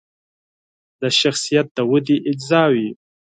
د شخصیت د ودې اجزاوې